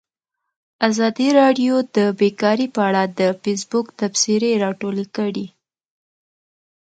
ازادي راډیو د بیکاري په اړه د فیسبوک تبصرې راټولې کړي.